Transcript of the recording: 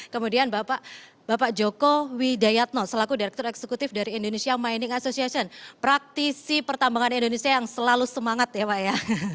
kemudian bapak joko widayatno selaku direktur eksekutif dari indonesia mining association praktisi pertambangan indonesia yang selalu semangat ya pak ya